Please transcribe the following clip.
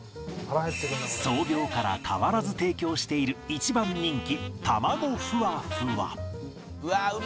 創業から変わらず提供している一番人気玉子ふわふわ